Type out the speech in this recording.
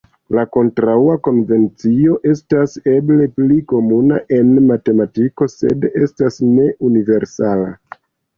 La kontraŭa konvencio estas eble pli komuna en matematiko sed estas ne universala.